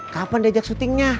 kapan deh jak shootingnya